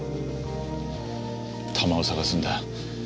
弾を捜すんだ。